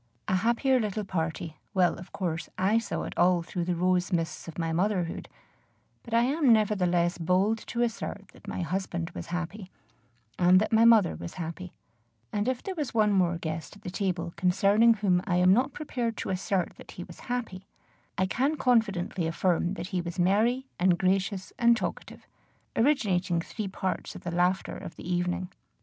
A happier little party well, of course, I saw it all through the rose mists of my motherhood, but I am nevertheless bold to assert that my husband was happy, and that my mother was happy; and if there was one more guest at the table concerning whom I am not prepared to assert that he was happy, I can confidently affirm that he was merry and gracious and talkative, originating three parts of the laughter of the evening.